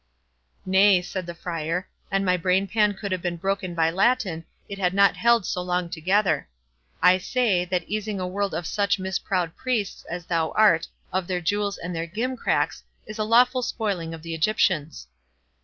"Nay," said the Friar, "an my brain pan could have been broken by Latin, it had not held so long together.—I say, that easing a world of such misproud priests as thou art of their jewels and their gimcracks, is a lawful spoiling of the Egyptians."